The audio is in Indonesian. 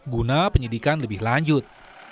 guna penyidikan lebih lanjut